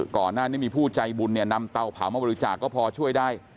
ก่อนนั้นมีผู้ใจบุญนำเตาเผามาบริจาคก็พอช่วยได้